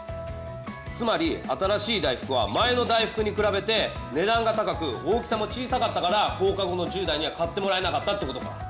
つまり新しい大福は前の大福に比べて値段が高く大きさも小さかったから放課後の１０代には買ってもらえなかったってことか。